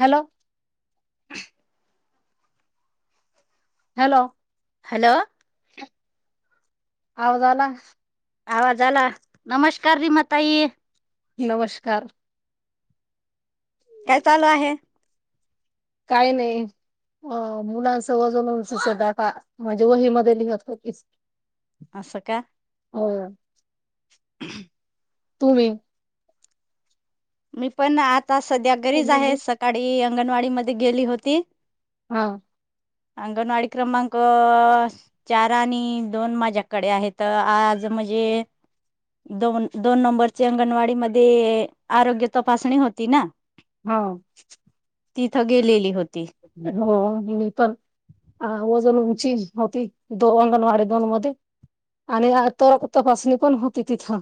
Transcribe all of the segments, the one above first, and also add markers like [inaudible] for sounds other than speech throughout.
Hello. [unintelligible] Hello. Hello आवज आला. आवाज आला. नमस्कार रीमाताई नमस्कार. काय चालू आहे. काही नाही अ मुलांचं वजन दट म्हणजे वही म लिहत होकीस. असं का. हो [unintelligible] तुम्ही. मी पण आत ता सध्या घरीच आहे. सकाळी अंगणवाडी मध्ये गेली होती. हा अंगणवाडी क्रमांक- चार आणि दोन- माझ्याकडे आहेत. आज म्हणजे दोन -दोन नंबरचे अंगणवाडी मध्ये. आरोग्य तपासणी होती. ना हा तिथं गेलेली होती. हो मी पण अ वजन उंची होती. दो अंगणवाडी दोन मध्ये आणि तरक तपासणी पण होती. तिथं.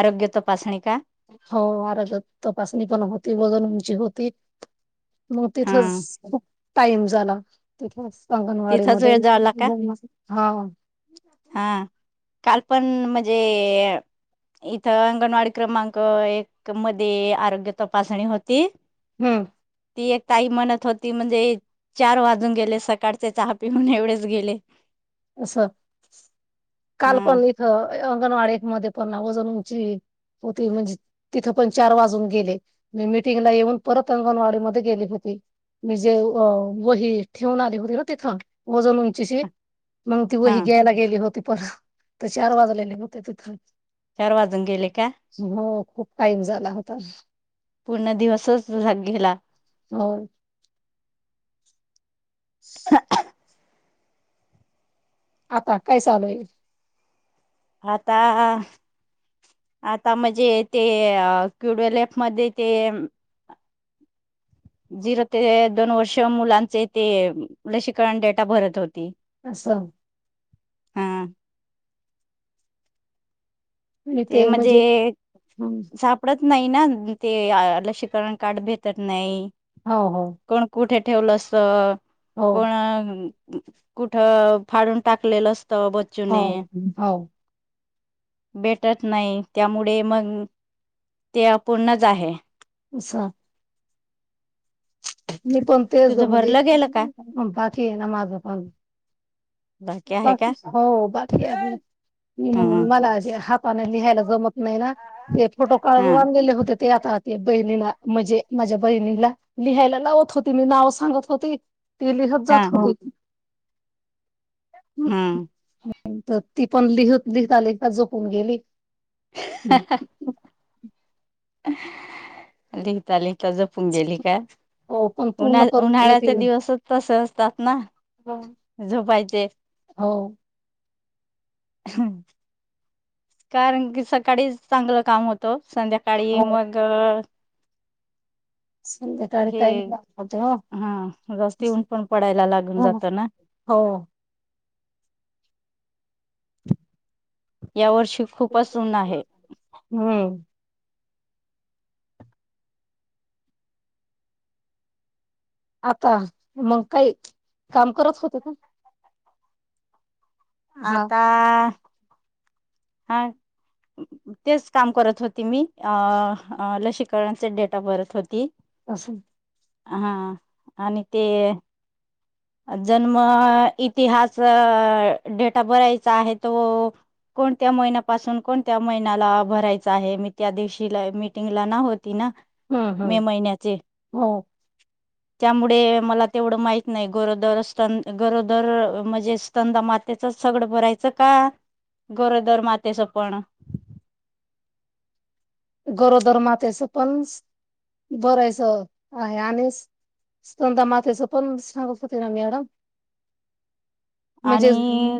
आरोग्य तपासणी का हो मर तर तपासणी पण होती बघून. होते. मू हा तिथच. खुप टाईम झाला तिथेच. तिथच वेळ जावला का- हा हा काल पण म्हणजे. जे इथं अंगणवाडी क्रमांक -एक मध्ये आरोग्य तपासणी होती. हम ती एक ताई म्हणत होती म्हणजे. चार वाजून गेले. सकाळ चहा पिऊन एवढेच गेले. असं काल ह पण इथं अ अंगणवाडी मध्ये पणवजन उची होती म्हणजे. तिथ पण चार वाजून गेले मी मिीटिंगला येऊन. परत अंगणवाडी मध्ये गेली होती मी जे वही ठेवून. आली होती. ना तिथ वओजन उंचीस. मग ति हा हि घ्यायला गेली. होती पर तर चार वाज ले होते. तिथ. चार वाजून गेले का? टाईम झाला होता. पूर्ण दिवसच झाग गेला. हो. [unintelligible] आता काय चालू होईल? आता, आता म्हणजे ते क्युडवेल ॲपमध्ये ते झिरो ते दोन वर्ष मुलांचे ते लसीकरण डेटा भरत होती. असं. हा ते म्हणजे, हं, सापडत नाहीना. ते लसीकरण कार्ड भेटत नाई. हो हो कोण कुठे ठेवलं असं हो कोण अ कुठ फाडून टाकलेलं अस हो हो. भेटत नाही, त्यामुळे मग ते अपूर्णच आहे. असा. मीपण तेच ग तुझं म्हणजे, भरलं गेलं का बाकी आहे ना माझं पण. बाकी आहे का बाकीस, हो बाकी हम्म [unintelligible] मला आज या. हातानं लिहायला जमत नाही ना. ते फोटो हा काढून लावून दिले होतेत. ते आता ते बहिणीला म्हजे माझ्या बहिणीला लिहायला लावत होती, मी नावं सांगत होती ती लिहत हा जात हा होती. हम्म. तर तीपण लिहत, लिहता लिहता झोपून गेली. हम् लिहिता लिहि च्या झोपून गेली काय? हो पण उन्हा पूर्ण करून दिलं उन्हाळ्याचे तिने दिवसचं तसं असतात ना, झोपायचे. हो कारण की सकाळडीच चांगलं काम होतं ओ. संध्याकाळी मग संध्याकाळी हे काही नाही होते हो हा जास्ती ऊनपण पडायला लागून हो जातं ना. हो यावर्षी खूपच ऊन आहे. हम्म आता, मग काही काम करत होते का? हा आता हा तेच काम करत होती मी अ लसीकरणाचे डेट ऑफ भरत होती असंल हा आणि ते. जन्म इतिहास डेटा भरायचा आहे तो कोणत्या महिन्यापासून कोणत्या महिन्याला भरायचा आहे मी त्या दिवशी मीटिंगला ना हो. ति ना हं, मे हं. महिन्याचे. हो. त्यामुळे मला तेवढं माहित नाही. गरोदर स्त गरोदर म्हणजे स्तनदा मातेच सगडं भरायचं का गरोदर मातेचं पण. गरोदर मातेच पण भरायच आहे आणि स्तनदा मातेच पण सांगत होते ना मॅडम. म्हणजे. आणि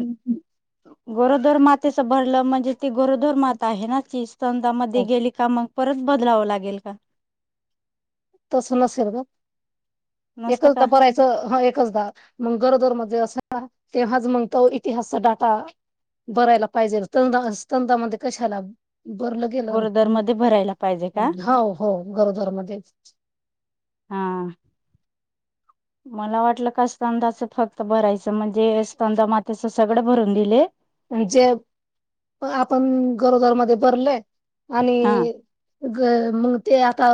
गरोदर मा भरलं म्हणजे ती गरोदर माता आहे ना ती स्तनदा मध्ये गेली का मग परत बदलावं लागेल का? तस ना सरबत. नसतं का एकचदा भरायच ह एकचदा मग गरोदर मध्ये अस. तेव्हाच मग तो इतिहासचा डाटा भरायला पाहिजे स्तनदा मध्ये कशाला? भरलं गेलं गरोदर मध्ये भरायला पाहिजे का हो हो घरोदर मध्येच हा मला वाटलं का स्तन दाच फक्त भरायचं म्हणजे स्तन दा मातेच सगळं भरून दिले. म्ह जे आपण गरोदरा मध्ये भरले. आले हा म ते आता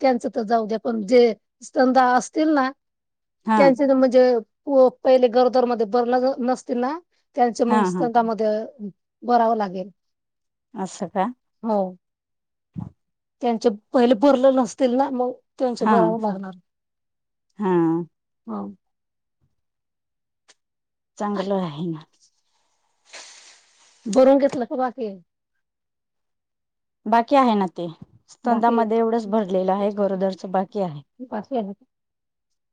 त्यांचं तर जाऊ द्या पण जे स्तनदा असतील ना. हा त्यांचं तर म्हणजे. हो पहिले गरदर मध्ये भरला नसते ना. त्यांच हा मग हा स्तनदा त्यामध्ये बरावं लागेल. असं का? हो त्यांचे पहिले भरलं नसतील ना मग. त्यांच हा बराव लागणार हा हा. चांगलं आहे ना. बरून घेतलं का बाकी? का आहे ना? स्तनदा बाकी आहे. मध्ये एवढंच भरलेलं आहे गरोदरच बाकी आहे. बाकी आहे का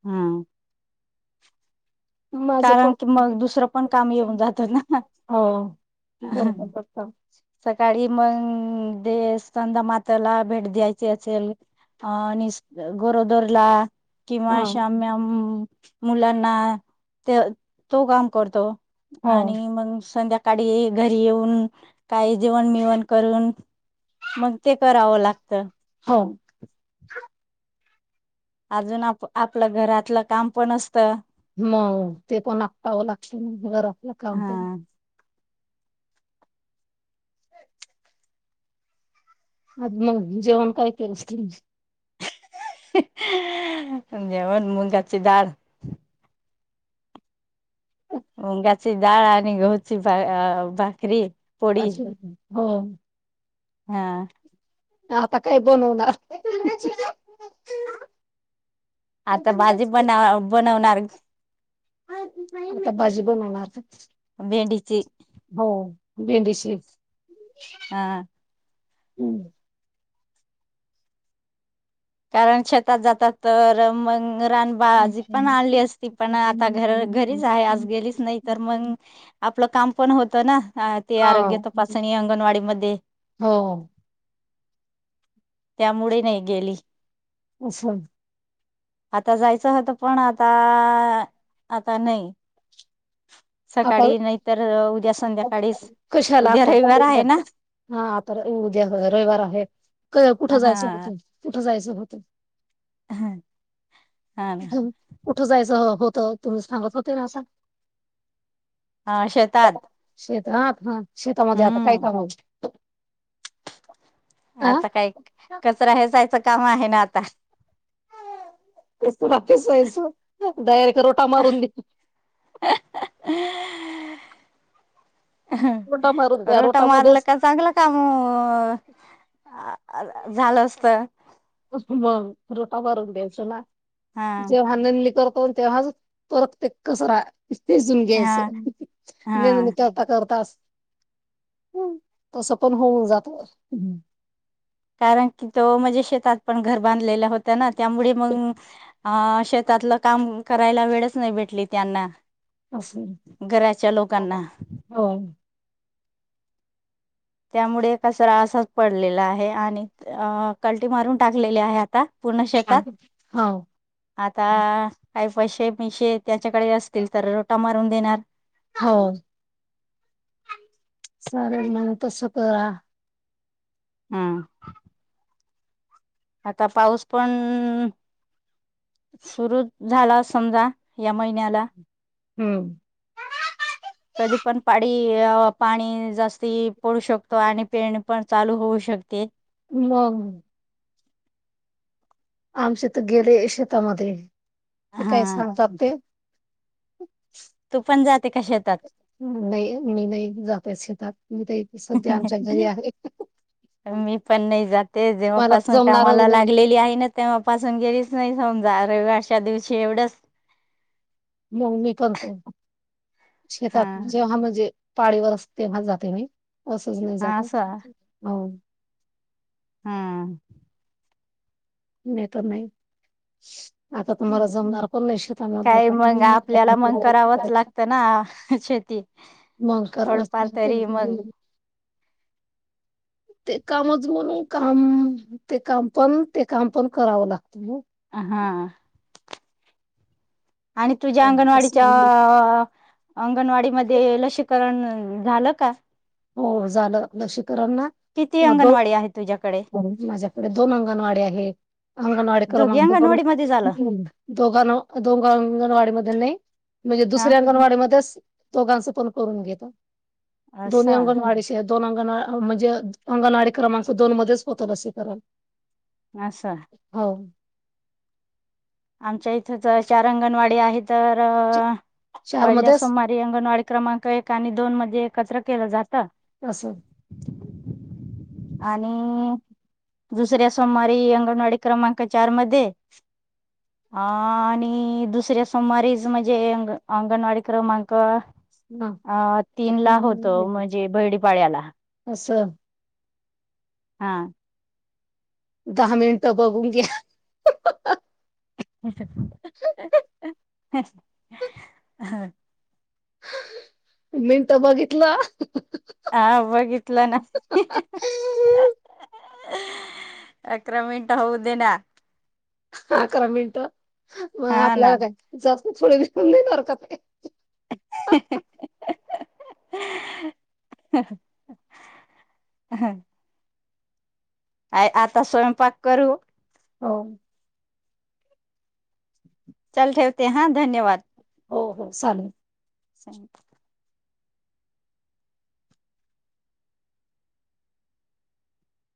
हा. माझं कारण पण कि मग दुसरं पण काम येऊन जात ना हो बरोबर बरोबर सकाळी मग देस चंदा मात्याला भेट द्यायची असेल अ नि गोरोदरला किंवा हा अशा मॅम मुलांना ते तो काम करतो हो आणि मग संध्याका काडी घरी येऊन काही जेवण मेवण करून मग ते करावं लागतं हो अजून आप आपलं घरातलं काम पण असत मग ते पण आटपावं लागत घरातलं काम हा आज मग जेवण काय [inaudible] ही अ जेवन मुगाची डाल मुंगाची डाळ आणि गहूची भाकरी पोळी अच्छा है हो हा आता काय बनवणार आता भाजी बनाव बनवणार. आता भाजी बनवणार भेंडीची हो भेंडीची हा हम्म कारण शेतात जातात तर मंग रान भाजी पण आणली असती पण आता घर घरीच आहे आज गेलीच नाही तर मग आपलं काम पण होतं ना ते हा आरोग्य तपासणी अंगणवाडी मध्ये हो त्यामुळे नाही गेली. अच्छा आता जायचं होतं पण आता आता नाही. आता व्हय, सकाळी नाहीतर उद्या संध्याकाळीच कशा ला उद्या आता रविवार आहे ना हा आता उद्या रविवार आहे कुठं जायचं होत हा कुठं जायच [inaudible] हा कुठं जायचं हो तर तुम्ही सांगत होते असं हा शेतात शेतात ह शेतामध्ये आता काय हम्म काम [inaudible] हा आता काय कचरा हे जायच काम आहे ना आता पेसू ना पेसायचं. डायरेक्ट तररोटा मारून देत. रोटा मारून द्या रोटा मारलं रोटामध्येच का चांगलं काम झालं असत. मग रोटा भरून द्यायच ना. जेव हानन लकर होण तेव्हाच परत ते कचरा. [unintelligible] घ्यास हा हा करता करता अस. हम तसं पण होऊन जात. कारण की तो म्हणजे शेतात पण घर बांधलेल्या होता ना त्यामुळे मग अं शेतातलं काम करायला वेळच नाही भेटली त्यांना. असं घराच्या लोकांना हो. त्यामुळे कचरा असाच पडलेला आहे आणि अ कलटी मारून टाकलेली आहे आता. पूर्ण शेतात हो आता काय पैसे पैसेे त्याच्याकडे असतील तर रोटा मारून देणार. हो चालेल, म्हणे तस करा. हम. आता पाऊस पण सुरु झाला समजा या महिन्याला हम्म. कधी पण पाडी पाणी जास्ती पडू शकतो आणि पेरणी पणचालू होऊ शकतो. शकते. मग आमच्यात गेले शेतीमध्ये. ते काय हा संपतात ते. ह तू पण जात नाही म नाही. जातचे त्या मी पण नाही जाते मला जेव्हापासून कामाला जमणारच नाही लागलेली आहे ना तेव्हापासून गेलीच नाही. समजा रे अशा दिवशी एवढंच म ममी करत हा शेतात जेव्हा म्हणजे पाळीवरच तेव्हा जाते मी असंच नाही हा जात, अस हो. हम्म. नाही तर नाही. आता तुम्हाला हु जमणार पण नाही शेतामधलं काय का मंग, आपल्याला मंग करावंच लागतं ना शेती मंग करावच थोडंफार तरी मग [unintelligible] ते कामच म्हणून काम, ते काम पण ते काम पण करावं लाग अ हा. आणि तुझ्या असं अंगणवाडीच्या मी- आ अंगणवाडीमध्ये लसीकरण उ झालं का? हो झाल नशीब करन ना किती अंगणवाडी आहे तुझ्याकडे [unintelligible] माझ्याकड दोन अंगणवाडी आहे, अंगणवाडी दोघी क्रमांक अंगणवाडी मध्ये झालं [unintelligible] दोघांनो दोघ अंगणवाडी मधे नई. म्हजे हा दुसऱ्या अंगणवाडीमध्येस् दोघांचं पण करून घेतो. दोनी असं अंगणवाडी [unintelligible] दोन अंगणवा अ म्हजे अंगणवाडी क्रमांक दोन मध्येच होत लसीकरण आस हो आमच्या इथं ज चार अंगणवाडी आहेत. तर च- चार पयल्या मध्येच सोमारी अंगणवाडी क्रमांक एक आणि दोन मध्ये एकत्र केलं जात का? असं आणि दुसऱ्या सोमवारी अंगणवाडी क्रमांक चार मध्ये, अ आणि दुसऱ्या सोमवारीच म्हजे अंग अंगणवाडी क्रमांक हा. अ तीन ला होतो आता म्हजे बैडीपाड्याला असं हा. दहा मिनिटं बघून घ्या. [inaudible] मिंट बघितलं. आ बघितलं ना [unintelligible] अकरा मिनिट होऊ देे ना अकरा मिंट मग हा ना आपल्याला काय जास् थोडे [unintelligible] देणार का ते [inaudible] अय आता स्वयंपाक करू. हो. चल ठेवते हा धन्यवाद हो हो सालेल [unintelligible]